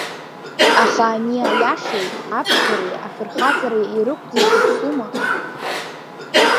Аха ани аиашеи, аԥшӡареи, афырхаҵареи ирықәӡыз дыԥсума?